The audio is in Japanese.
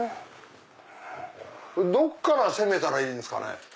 どっから攻めたらいいんですかね。